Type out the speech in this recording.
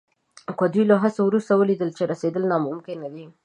که دوی له هڅو وروسته ولیدل چې رسېدل ناممکن دي.